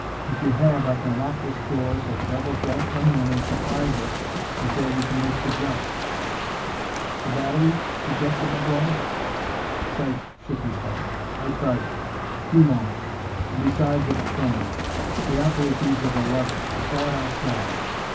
If you have, I can lock this door so the devils won't come in and surprise us before we can make the jump." "The battery?" suggested McGuire. Sykes shook his head. "I tried it. Too long, and besides it would crumble. They operate these with a lever; I saw it outside."